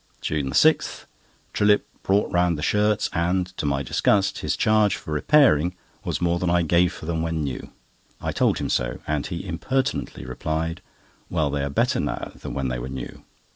JUNE 6.—Trillip brought round the shirts and, to my disgust, his charge for repairing was more than I gave for them when new. I told him so, and he impertinently replied: "Well, they are better now than when they were new."